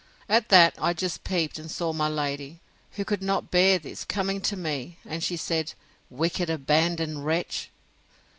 At that, I just peeped, and saw my lady, who could not bear this, coming to me; and she said, Wicked abandoned wretch!